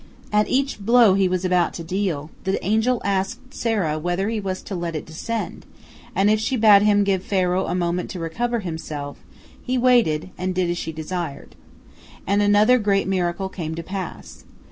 At each blow he was about to deal, the angel asked Sarah whether he was to let it descend, and if she bade him give Pharaoh a moment to recover himself, he waited and did as she desired. And another great miracle came to pass.